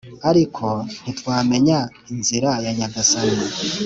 ariko ntitwamenya inzira ya Nyagasani!